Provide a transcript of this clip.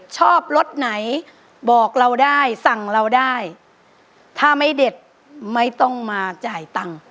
รถไหนบอกเราได้สั่งเราได้ถ้าไม่เด็ดไม่ต้องมาจ่ายตังค์